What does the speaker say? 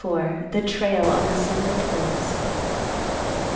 THE TRAIL ON THE SUNLIT HILLS.